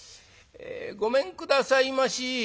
「ごめんくださいまし。